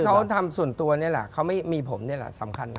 คือผมเนี่ยแหละสำคัญนะ